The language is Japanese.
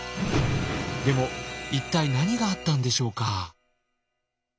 でも一体何があったんでしょうか？